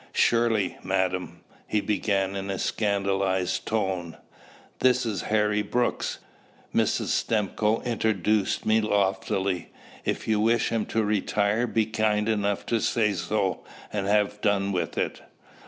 "Surely, madam " he began in a scandalized tone. "This is Harry Brooks." Mrs. Stimcoe introduced me loftily. "If you wish him to retire, be kind enough to say so, and have done with it.